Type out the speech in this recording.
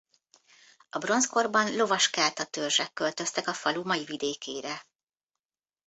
A bronzkorban lovas kelta törzsek költöztek a falu mai vidékére.